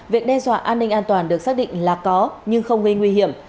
việc đe dọa an ninh an toàn được xác định là có nhưng không gây nguy hiểm